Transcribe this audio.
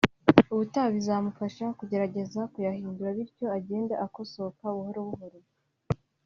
ubutaha bizamufasha kugerageza kuyahindura bityo agende akosoka buhoro buhoro